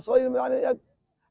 saya menjaga mereka